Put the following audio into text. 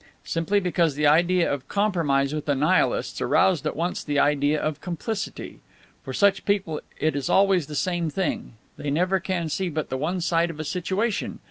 Simply because the idea of compromise with the Nihilists aroused at once the idea of complicity! For such people it is always the same thing they never can see but the one side of the situation.